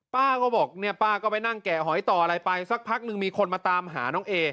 ป้าก็บอกเนี่ยป้าก็ไปนั่งแกะหอยต่ออะไรไปสักพักนึงมีคนมาตามหาน้องเอ